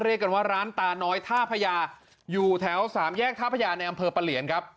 เรียกกันว่าร้านตาน้อยท่าพญาอยู่แถวสามแยกท่าพญาในอำเภอปะเหลียนครับ